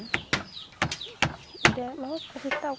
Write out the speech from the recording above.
gak mau kasih tau